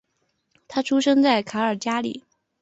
他出生在卡尔加里。